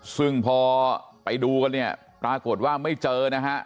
ซึ่งพอไปดูกันเนี่ยปรากฏว่าไม่เจอนะฮะ